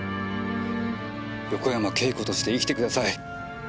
横山慶子として生きてください。